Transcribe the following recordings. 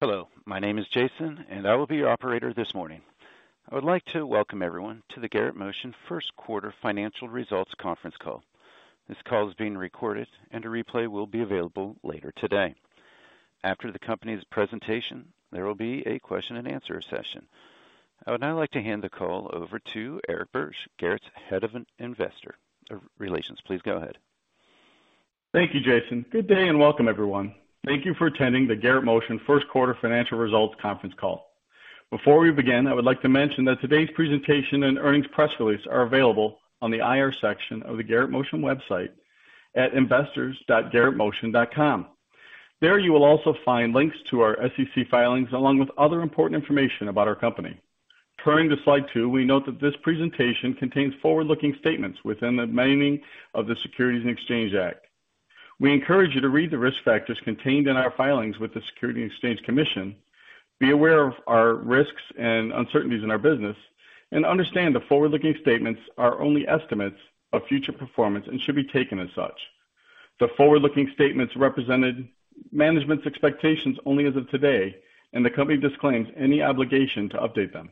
Hello, my name is Jason. I will be your operator this morning. I would like to welcome everyone to the Garrett Motion First Quarter Financial Results conference call. This call is being recorded. A replay will be available later today. After the company's presentation, there will be a Q&A. I would now like to hand the call over to Eric Birge, Garrett's Head of Investor Relations. Please go ahead. Thank you, Jason. Good day and welcome everyone. Thank you for attending the Garrett Motion first quarter financial results conference call. Before we begin, I would like to mention that today's presentation and earnings press release are available on the IR section of the Garrett Motion website at investors.garrettmotion.com. There you will also find links to our SEC filings along with other important information about our company. Turning to slide 2, we note that this presentation contains forward-looking statements within the meaning of the Securities and Exchange Act. We encourage you to read the risk factors contained in our filings with the SEC, be aware of our risks and uncertainties in our business, and understand that forward-looking statements are only estimates of future performance and should be taken as such. The forward-looking statements represented management's expectations only as of today, and the company disclaims any obligation to update them.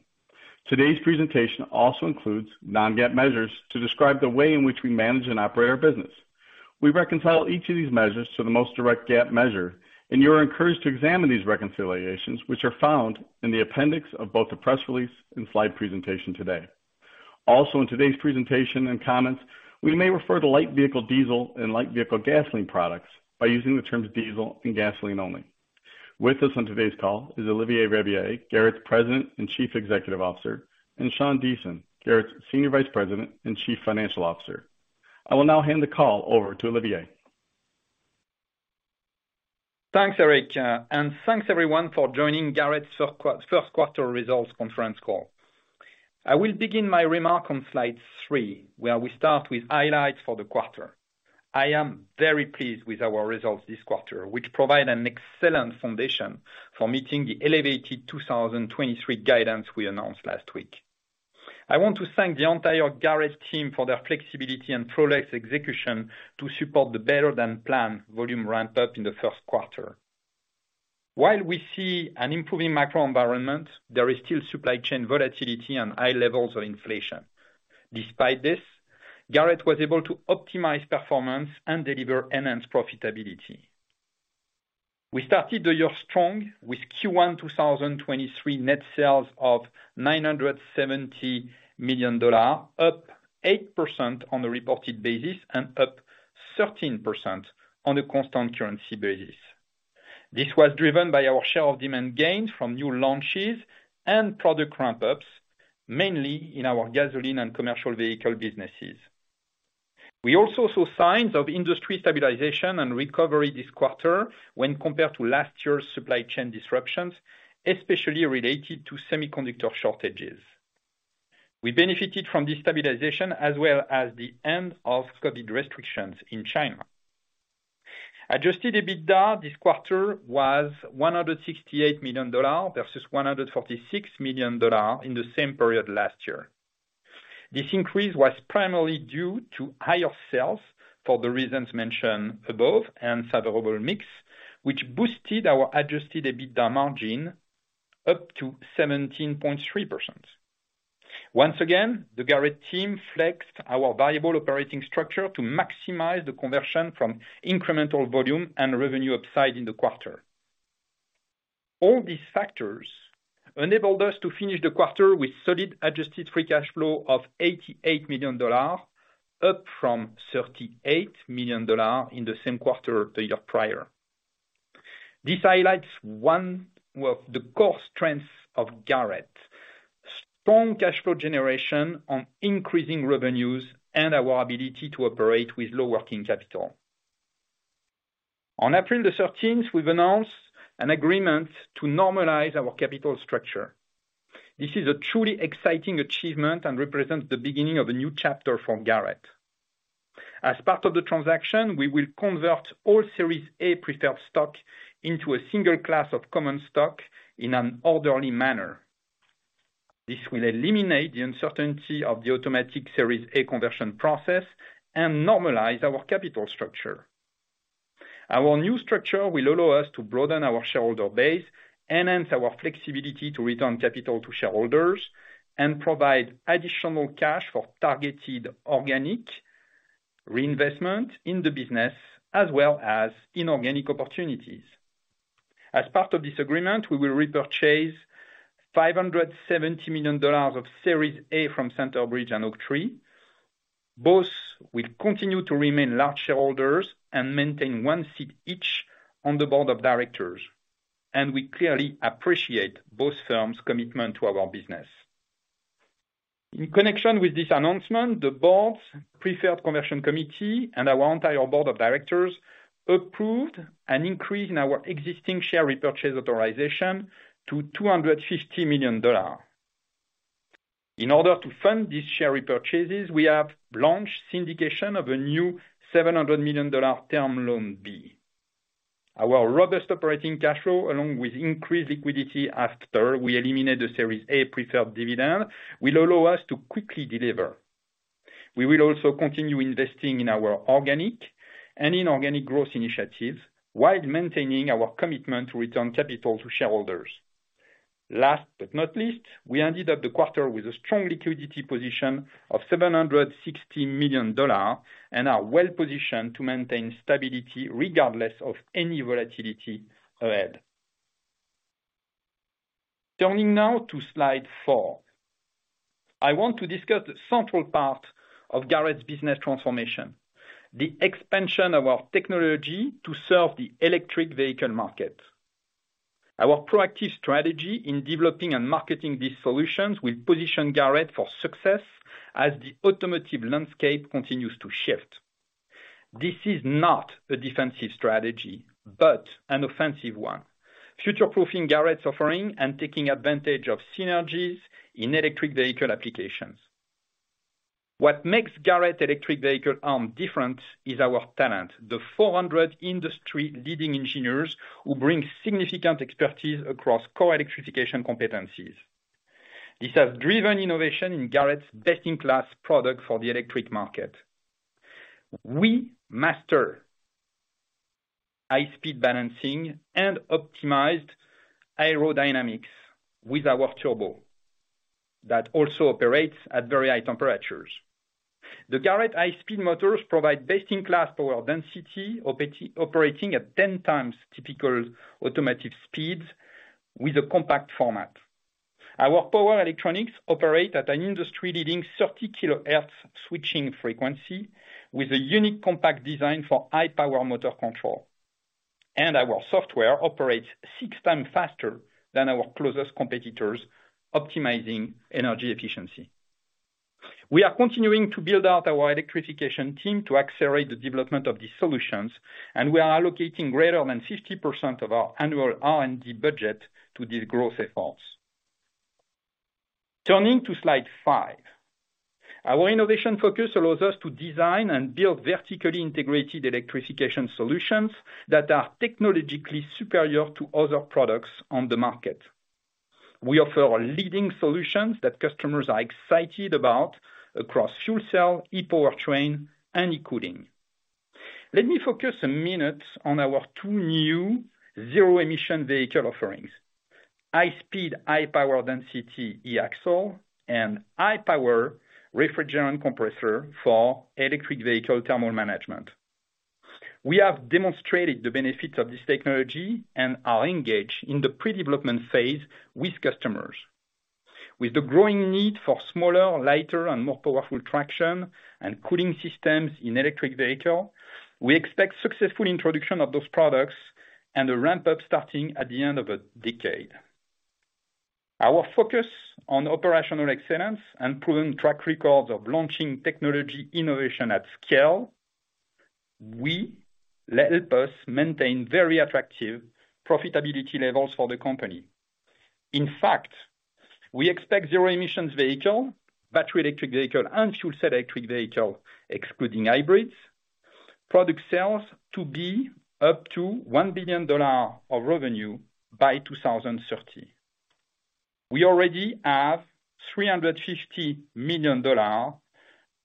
Today's presentation also includes non-GAAP measures to describe the way in which we manage and operate our business. We reconcile each of these measures to the most direct GAAP measure, and you are encouraged to examine these reconciliations, which are found in the appendix of both the press release and slide presentation today. Also, in today's presentation and comments, we may refer to light vehicle diesel and light vehicle gasoline products by using the terms diesel and gasoline only. With us on today's call is Olivier Rabiller, Garrett's President and Chief Executive Officer, and Sean Deason, Garrett's Senior Vice President and Chief Financial Officer. I will now hand the call over to Olivier. Thanks, Eric, and thanks everyone for joining Garrett's first quarter results conference call. I will begin my remark on slide 3, where we start with highlights for the quarter. I am very pleased with our results this quarter, which provide an excellent foundation for meeting the elevated 2023 guidance we announced last week. I want to thank the entire Garrett team for their flexibility and flawless execution to support the better-than-planned volume ramp-up in the first quarter. While we see an improving macro environment, there is still supply chain volatility and high levels of inflation. Despite this, Garrett was able to optimize performance and deliver enhanced profitability. We started the year strong with Q1 2023 net sales of $970 million, up 8% on a reported basis, and up 13% on a constant currency basis. This was driven by our share of demand gains from new launches and product ramp-ups, mainly in our gasoline and commercial vehicle businesses. We also saw signs of industry stabilization and recovery this quarter when compared to last year's supply chain disruptions, especially related to semiconductor shortages. We benefited from this stabilization as well as the end of COVID restrictions in China. Adjusted EBITDA this quarter was $168 million versus $146 million in the same period last year. This increase was primarily due to higher sales for the reasons mentioned above and favorable mix, which boosted our Adjusted EBITDA margin up to 17.3%. Once again, the Garrett team flexed our valuable operating structure to maximize the conversion from incremental volume and revenue upside in the quarter. All these factors enabled us to finish the quarter with solid Adjusted FCF of $88 million, up from $38 million in the same quarter the year prior. This highlights one of the core strengths of Garrett, strong cash flow generation on increasing revenues and our ability to operate with low working capital. On April 13th, we've announced an agreement to normalize our capital structure. This is a truly exciting achievement and represents the beginning of a new chapter for Garrett. As part of the transaction, we will convert all Series A Preferred Stock into a single class of common stock in an orderly manner. This will eliminate the uncertainty of the automatic Series A conversion process and normalize our capital structure. Our new structure will allow us to broaden our shareholder base, enhance our flexibility to return capital to shareholders, and provide additional cash for targeted organic reinvestment in the business, as well as inorganic opportunities. As part of this agreement, we will repurchase $570 million of Series A from Centerbridge and Oaktree. We clearly appreciate both firms' commitment to our business. In connection with this announcement, the board's Preferred Conversion Committee and our entire board of directors approved an increase in our existing share repurchase authorization to $250 million. In order to fund these share repurchases, we have launched syndication of a new $700 million Term Loan B. Our robust operating cash flow, along with increased liquidity after we eliminate the Series A Preferred dividend, will allow us to quickly deliver. We will also continue investing in our organic and inorganic growth initiatives while maintaining our commitment to return capital to shareholders. Last but not least, we ended up the quarter with a strong liquidity position of $760 million and are well positioned to maintain stability regardless of any volatility ahead. Turning now to slide 4. I want to discuss the central part of Garrett's business transformation, the expansion of our technology to serve the electric vehicle market. Our proactive strategy in developing and marketing these solutions will position Garrett for success as the automotive landscape continues to shift. This is not a defensive strategy, but an offensive one. Future-proofing Garrett's offering and taking advantage of synergies in electric vehicle applications. What makes Garrett electric vehicle arm different is our talent, the 400 industry-leading engineers who bring significant expertise across core electrification competencies. This has driven innovation in Garrett's best-in-class product for the electric market. We master high speed balancing and optimized aerodynamics with our turbo that also operates at very high temperatures. The Garrett high-speed motors provide best-in-class power density operating at 10 times typical automotive speeds with a compact format. Our power electronics operate at an industry-leading 30 kHz switching frequency with a unique compact design for high power motor control. Our software operates six times faster than our closest competitors, optimizing energy efficiency. We are continuing to build out our electrification team to accelerate the development of these solutions, and we are allocating greater than 60% of our annual R&D budget to these growth efforts. Turning to slide 5. Our innovation focus allows us to design and build vertically integrated electrification solutions that are technologically superior to other products on the market. We offer leading solutions that customers are excited about across fuel cell, E-Powertrain, and E-Cooling. Let me focus a minute on our two new zero-emission vehicle offerings. High speed, high power density E-Axle and high power refrigerant compressor for electric vehicle thermal management. We have demonstrated the benefits of this technology and are engaged in the pre-development phase with customers. With the growing need for smaller, lighter, and more powerful traction and cooling systems in electric vehicle, we expect successful introduction of those products and a ramp-up starting at the end of the decade. Our focus on operational excellence and proven track record of launching technology innovation at scale, let us maintain very attractive profitability levels for the company. In fact, we expect zero-emissions vehicle, battery electric vehicle, and fuel cell electric vehicle, excluding hybrids, product sales to be up to $1 billion of revenue by 2030. We already have $350 million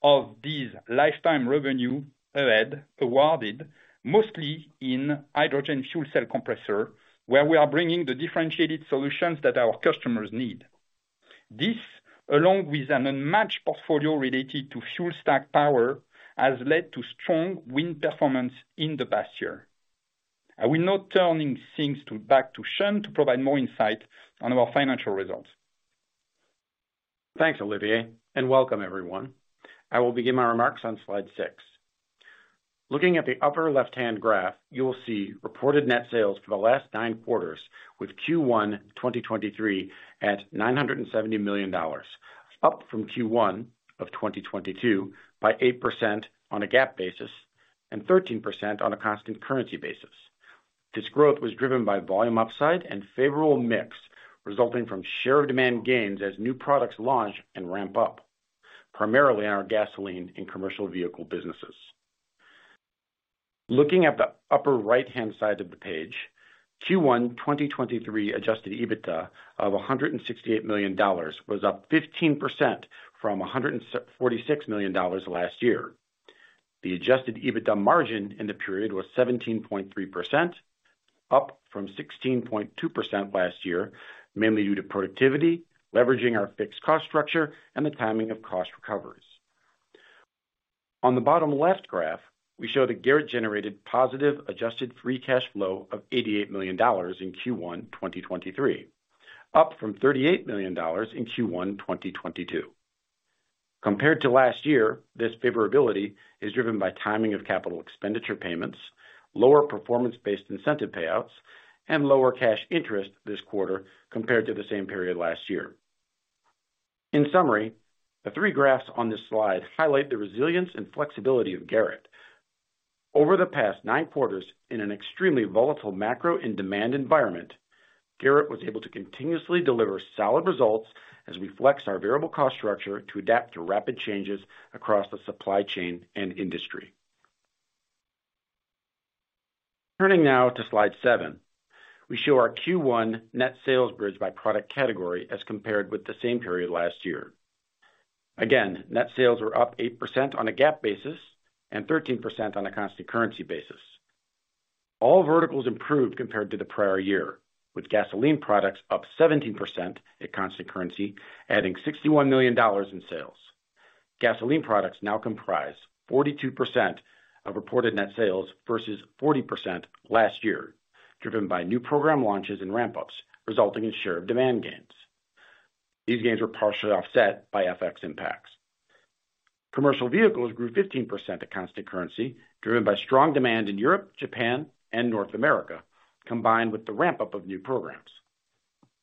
of these lifetime revenue ahead awarded mostly in hydrogen fuel cell compressor, where we are bringing the differentiated solutions that our customers need. This, along with an unmatched portfolio related to fuel stack power, has led to strong win performance in the past year. I will now turning things to back to Sean to provide more insight on our financial results. Thanks, Olivier. Welcome everyone. I will begin my remarks on slide 6. Looking at the upper left-hand graph, you will see reported net sales for the last nine quarters with Q1 in 2023 at $970 million, up from Q1 of 2022 by 8% on a GAAP basis and 13% on a constant currency basis. This growth was driven by volume upside and favorable mix, resulting from share demand gains as new products launch and ramp up, primarily in our gasoline and commercial vehicle businesses. Looking at the upper right-hand side of the page, Q1, 2023 Adjusted EBITDA of $168 million was up 15% from $146 million last year. The Adjusted EBITDA margin in the period was 17.3%, up from 16.2% last year, mainly due to productivity, leveraging our fixed cost structure, and the timing of cost recoveries. On the bottom left graph, we show that Garrett generated positive Adjusted FCF of $88 million in Q1 2023, up from $38 million in Q1 2022. Compared to last year, this favorability is driven by timing of capital expenditure payments, lower performance-based incentive payouts, and lower cash interest this quarter compared to the same period last year. In summary, the three graphs on this slide highlight the resilience and flexibility of Garrett. Over the past nine quarters in an extremely volatile macro and demand environment, Garrett was able to continuously deliver solid results as we flex our variable cost structure to adapt to rapid changes across the supply chain and industry. Turning now to slide 7. We show our Q1 net sales bridge by product category as compared with the same period last year. Again, net sales were up 8% on a GAAP basis and 13% on a constant currency basis. All verticals improved compared to the prior year, with gasoline products up 17% at constant currency, adding $61 million in sales. Gasoline products now comprise 42% of reported net sales versus 40% last year, driven by new program launches and ramp ups, resulting in share of demand gains. These gains were partially offset by FX impacts. Commercial vehicles grew 15% at constant currency, driven by strong demand in Europe, Japan and North America combined with the ramp up of new programs.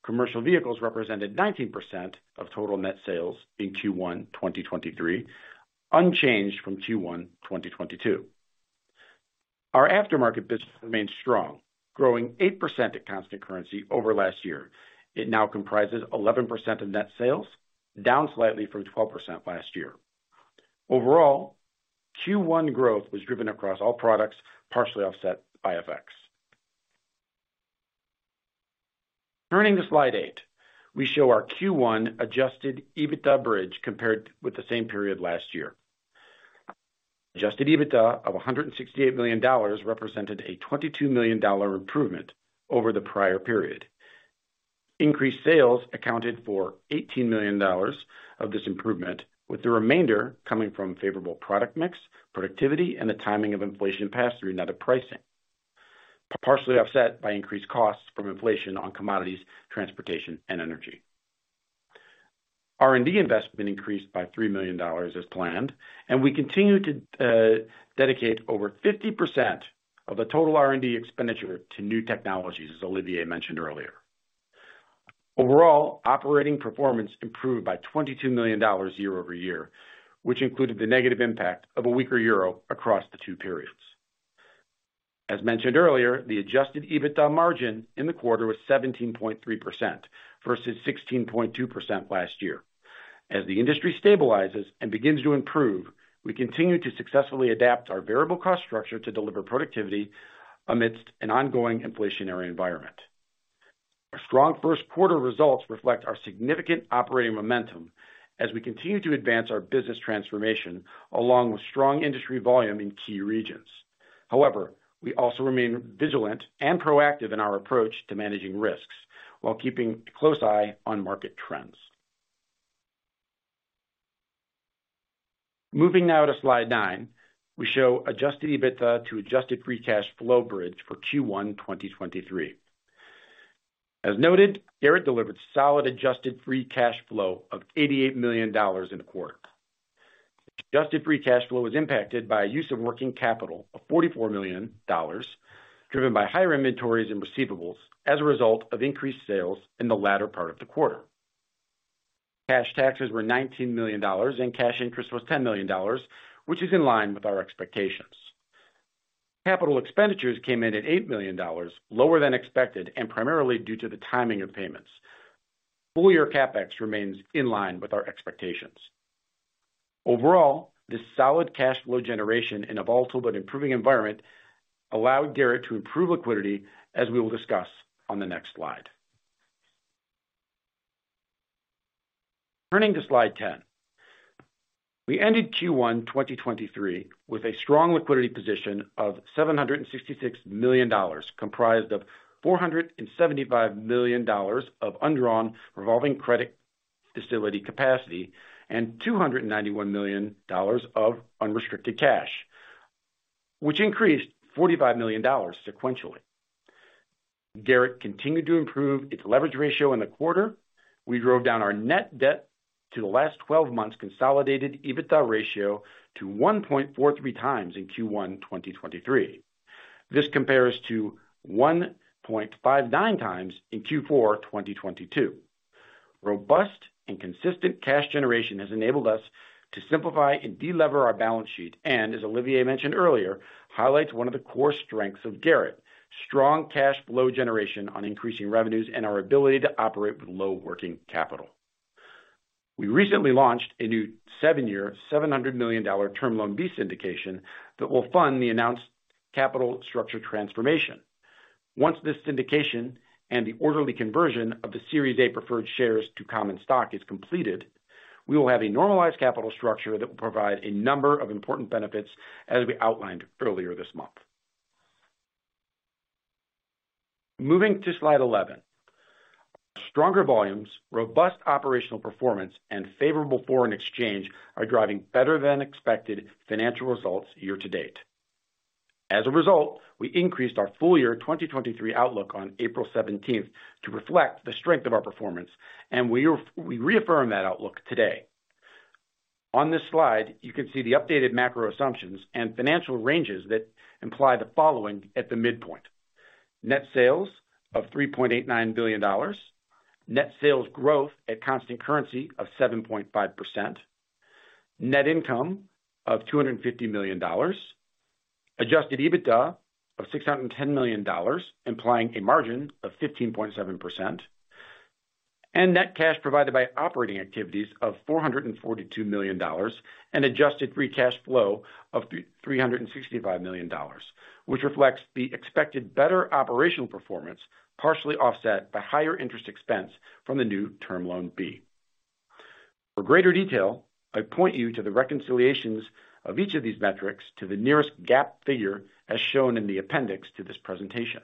Commercial vehicles represented 19% of total net sales in Q1 2023, unchanged from Q1 2022. Our aftermarket business remains strong, growing 8% at constant currency over last year. It now comprises 11% of net sales, down slightly from 12% last year. Overall, Q1 growth was driven across all products, partially offset by FX. Turning to slide 8. We show our Q1 Adjusted EBITDA bridge compared with the same period last year. Adjusted EBITDA of $168 million represented a $22 million improvement over the prior period. Increased sales accounted for $18 million of this improvement, with the remainder coming from favorable product mix, productivity, and the timing of inflation pass through net pricing, partially offset by increased costs from inflation on commodities, transportation and energy. R&D investment increased by $3 million as planned, and we continue to dedicate over 50% of the total R&D expenditure to new technologies, as Olivier mentioned earlier. Overall, operating performance improved by $22 million YoY, which included the negative impact of a weaker euro across the two periods. As mentioned earlier, the Adjusted EBITDA margin in the quarter was 17.3% versus 16.2% last year. As the industry stabilizes and begins to improve, we continue to successfully adapt our variable cost structure to deliver productivity amidst an ongoing inflationary environment. Our strong first quarter results reflect our significant operating momentum as we continue to advance our business transformation along with strong industry volume in key regions. However, we also remain vigilant and proactive in our approach to managing risks while keeping a close eye on market trends. Moving now to slide nine. We show Adjusted EBITDA to Adjusted FCF bridge for Q1 2023. As noted, Garrett delivered solid Adjusted FCF of $88 million in the quarter. Adjusted FCF was impacted by use of working capital of $44 million, driven by higher inventories and receivables as a result of increased sales in the latter part of the quarter. Cash taxes were $19 million and cash interest was $10 million, which is in line with our expectations. Capital expenditures came in at $8 million lower than expected and primarily due to the timing of payments. Full year CapEx remains in line with our expectations. Overall, this solid cash flow generation in a volatile but improving environment allowed Garrett to improve liquidity, as we will discuss on the next slide. Turning to slide 10. We ended Q1 2023 with a strong liquidity position of $766 million, comprised of $475 million of undrawn revolving credit facility capacity and $291 million of unrestricted cash, which increased $45 million sequentially. Garrett continued to improve its leverage ratio in the quarter. We drove down our net debt to the last 12 months Consolidated EBITDA ratio to 1.43 times in Q1 2023. This compares to 1.59 times in Q4 2022. Robust and consistent cash generation has enabled us to simplify and delever our balance sheet and as Olivier mentioned earlier, highlights one of the core strengths of Garrett. Strong cash flow generation on increasing revenues and our ability to operate with low working capital. We recently launched a new seven-year, $700 million Term Loan B syndication that will fund the announced capital structure transformation. Once this syndication and the orderly conversion of the Series A Preferred Stock to common stock is completed, we will have a normalized capital structure that will provide a number of important benefits, as we outlined earlier this month. Moving to slide 11. Stronger volumes, robust operational performance and favorable foreign exchange are driving better than expected financial results year-to-date. We increased our full year 2023 outlook on April 17th to reflect the strength of our performance. We reaffirm that outlook today. On this slide, you can see the updated macro assumptions and financial ranges that imply the following at the midpoint. Net sales of $3.89 billion. Net sales growth at constant currency of 7.5%. Net income of $250 million. Adjusted EBITDA of $610 million, implying a margin of 15.7%. Net cash provided by operating activities of $442 million and Adjusted FCF of $365 million, which reflects the expected better operational performance, partially offset by higher interest expense from the new Term Loan B. For greater detail, I point you to the reconciliations of each of these metrics to the nearest GAAP figure as shown in the appendix to this presentation.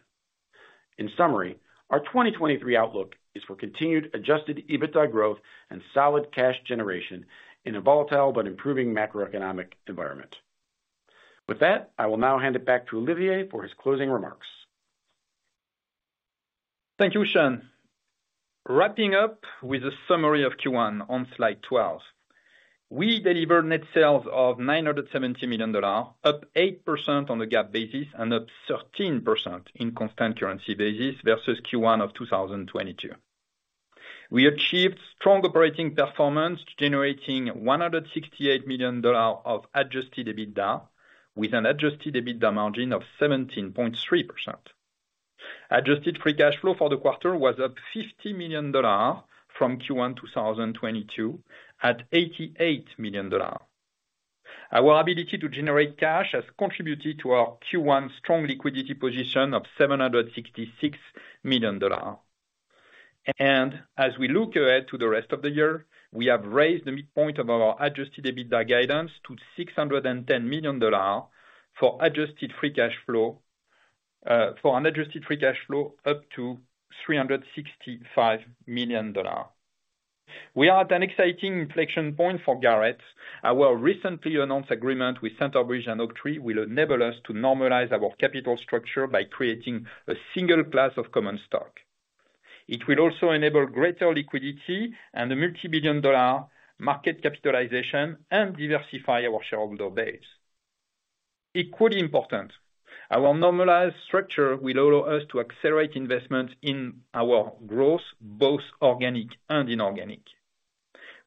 In summary, our 2023 outlook is for continued Adjusted EBITDA growth and solid cash generation in a volatile but improving macroeconomic environment. With that, I will now hand it back to Olivier for his closing remarks. Thank you, Sean. Wrapping up with a summary of Q1 on slide 12. We delivered net sales of $970 million, up 8% on the GAAP basis and up 13% in constant currency basis versus Q1 2022. We achieved strong operating performance, generating $168 million of Adjusted EBITDA, with an Adjusted EBITDA margin of 17.3%. Adjusted FCF for the quarter was up $50 million from Q1 2022 at $88 million. Our ability to generate cash has contributed to our Q1 strong liquidity position of $766 million. As we look ahead to the rest of the year, we have raised the midpoint of our Adjusted EBITDA guidance to $610 million for Adjusted FCF, for an Adjusted FCF up to $365 million. We are at an exciting inflection point for Garrett. Our recently announced agreement with Centerbridge and Oaktree will enable us to normalize our capital structure by creating a single class of common stock. It will also enable greater liquidity and a multi-billion dollar market capitalization and diversify our shareholder base. Equally important, our normalized structure will allow us to accelerate investment in our growth, both organic and inorganic.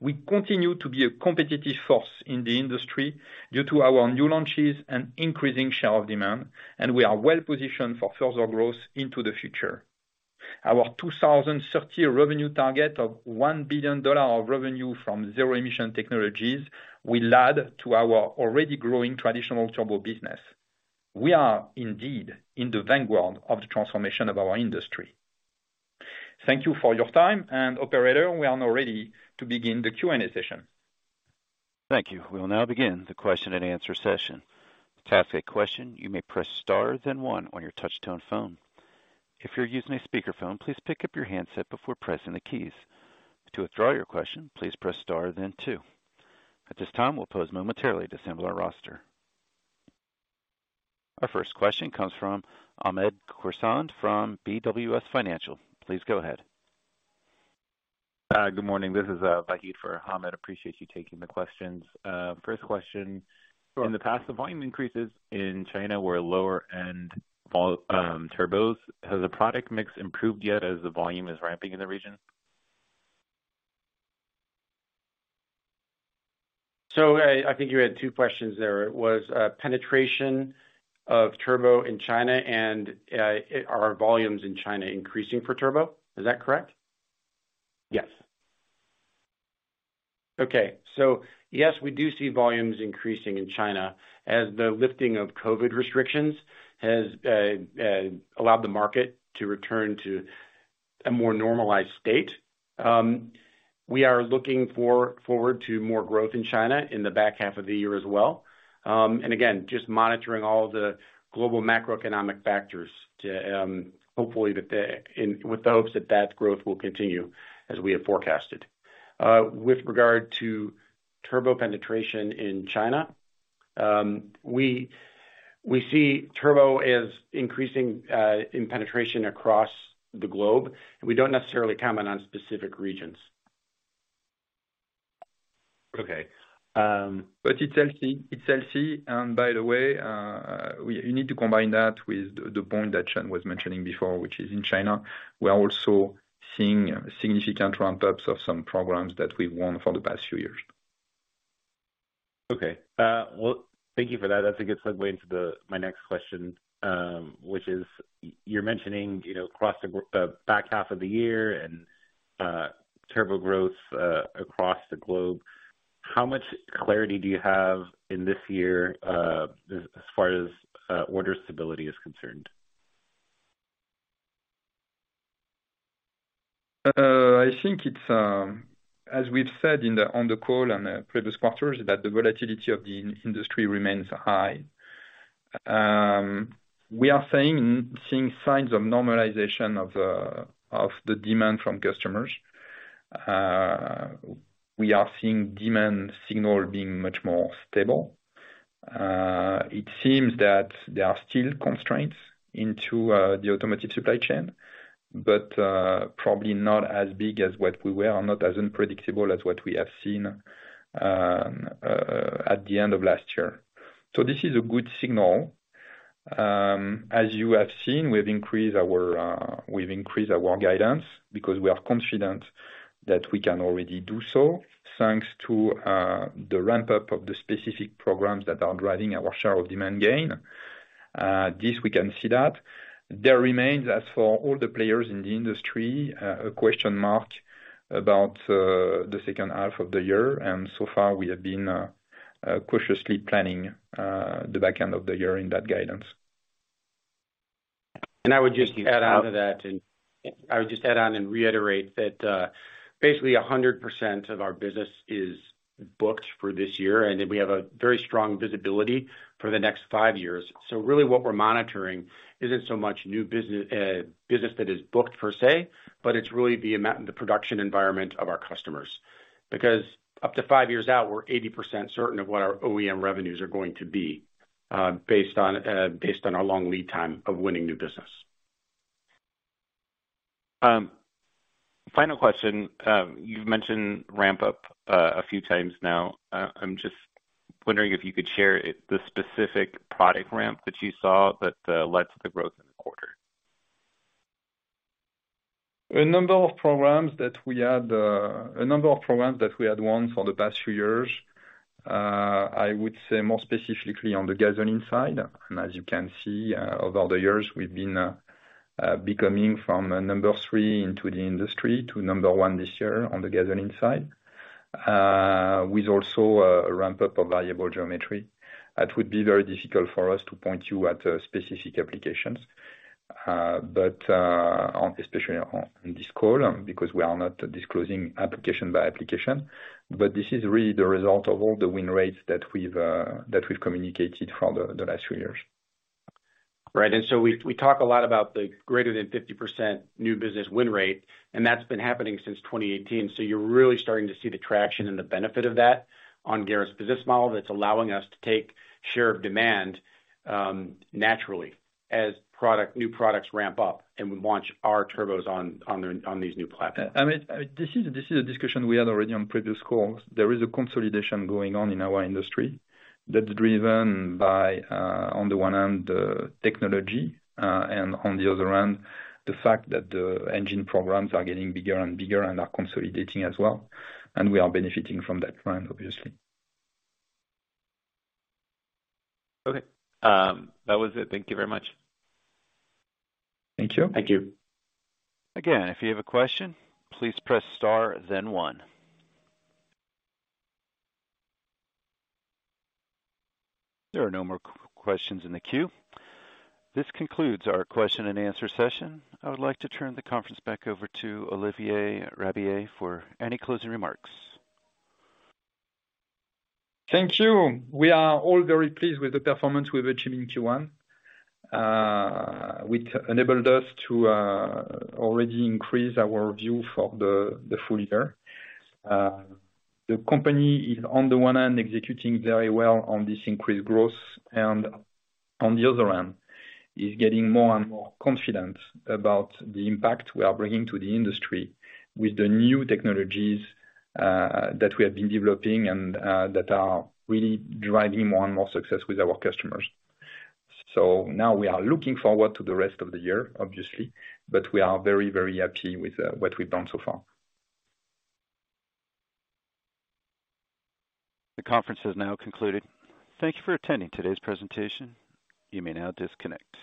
We continue to be a competitive force in the industry due to our new launches and increasing share of demand, and we are well positioned for further growth into the future. Our 2030 revenue target of $1 billion of revenue from zero emission technologies will add to our already growing traditional turbo business. We are indeed in the vanguard of the transformation of our industry. Thank you for your time. Operator, we are now ready to begin the Q&A session. Thank you. We will now begin the question and answer session. To ask a question, you may press star then one on your touch tone phone. If you're using a speakerphone, please pick up your handset before pressing the keys. To withdraw your question, please press star then two. At this time, we'll pause momentarily to assemble our roster. Our first question comes from Hamed Khorsand from BWS Financial. Please go ahead. Good morning. This is Vahid for Hamed. Appreciate you taking the questions. First question. In the past, the volume increases in China were lower end turbos. Has the product mix improved yet as the volume is ramping in the region? I think you had two questions there. It was penetration of turbo in China and are volumes in China increasing for turbo. Is that correct? Yes. Okay. Yes, we do see volumes increasing in China as the lifting of Covid restrictions has allowed the market to return to a more normalized state. We are looking forward to more growth in China in the back half of the year as well. Again, just monitoring all the global macroeconomic factors with the hopes that that growth will continue as we have forecasted. With regard to turbo penetration in China, we see turbo as increasing in penetration across the globe, we don't necessarily comment on specific regions. Okay. It's healthy, it's healthy. By the way, you need to combine that with the point that Sean was mentioning before, which is in China, we are also seeing significant ramp ups of some programs that we've won for the past few years. Okay. Well, thank you for that. That's a good segue into the, my next question, which is you're mentioning, you know, across the back half of the year and turbo growth across the globe, how much clarity do you have in this year, as far as order stability is concerned? I think it's, as we've said in the, on the call and previous quarters, that the volatility of the industry remains high. We are seeing signs of normalization of the demand from customers. We are seeing demand signal being much more stable. It seems that there are still constraints into the automotive supply chain, but probably not as big as what we were, not as unpredictable as what we have seen at the end of last year. This is a good signal. As you have seen, we've increased our guidance because we are confident that we can already do so, thanks to the ramp up of the specific programs that are driving our share of demand gain. This we can see that. There remains, as for all the players in the industry, a question mark about the second half of the year. So far, we have been cautiously planning the back end of the year in that guidance. I would just add on and reiterate that, basically 100% of our business is booked for this year, we have a very strong visibility for the next five years. Really what we're monitoring isn't so much new business that is booked per, but it's really the amount and the production environment of our customers. Up to five years out, we're 80% certain of what our OEM revenues are going to be, based on our long lead time of winning new business. Final question. You've mentioned ramp up a few times now. I'm just wondering if you could share it, the specific product ramp that you saw that led to the growth in the quarter. A number of programs that we had won for the past few years, I would say more specifically on the gasoline side. As you can see, over the years, we've been becoming from a number three into the industry to number one this year on the gasoline side. With also, a ramp up of Variable Geometry. It would be very difficult for us to point you at specific applications, but especially on this call, because we are not disclosing application by application. This is really the result of all the win rates that we've communicated for the last three years. Right. We talk a lot about the greater than 50% new business win rate. That's been happening since 2018. You're really starting to see the traction and the benefit of that on Garrett's business model that's allowing us to take share of demand, naturally as product, new products ramp up and we launch our turbos on these new platforms. I mean, this is a discussion we had already on previous calls. There is a consolidation going on in our industry that's driven by, on the one hand, technology, and on the other hand, the fact that the engine programs are getting bigger and bigger and are consolidating as well, and we are benefiting from that trend, obviously. Okay. That was it. Thank you very much. Thank you. Thank you. Again, if you have a question, please press star then one. There are no more questions in the queue. This concludes our question and answer session. I would like to turn the conference back over to Olivier Rabiller for any closing remarks. Thank you. We are all very pleased with the performance we've achieved in Q1. Which enabled us to already increase our view for the full year. The company is on the one hand executing very well on this increased growth, and on the other hand is getting more and more confident about the impact we are bringing to the industry with the new technologies, that we have been developing and that are really driving more and more success with our customers. Now we are looking forward to the rest of the year, obviously, but we are very, very happy with what we've done so far. The conference has now concluded. Thank you for attending today's presentation. You may now disconnect.